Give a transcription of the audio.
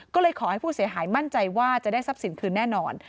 ก็เลยขอให้ผู้เสียหายมั่นใจว่าจะได้ทรัพย์สินคืนแน่นอน